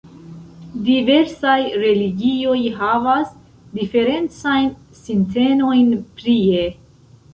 Diversaj religioj havas diferencajn sintenojn prie.